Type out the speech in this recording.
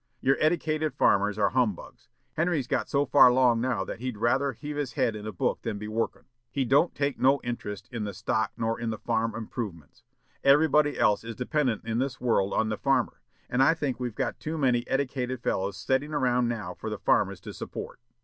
Yer eddicated farmers are humbugs. Henry's got so far 'long now that he'd rather hev his head in a book than be workin'. He don't take no interest in the stock nor in the farm improvements. Everybody else is dependent in this world on the farmer, and I think that we've got too many eddicated fellows setting around now for the farmers to support.'